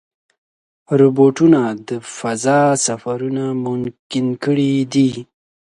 روبوټونه د فضا سفرونه ممکن کړي دي.